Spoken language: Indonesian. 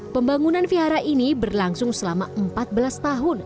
pembangunan vihara ini berlangsung selama empat belas tahun